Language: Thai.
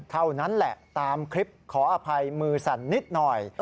เท่านั้นแหละตามคลิปขออภัยมือสั่นนิดหน่อย